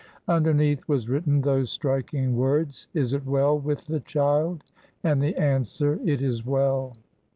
Underneath was written those striking words: "Is it well with the child?" and the answer, "It is well."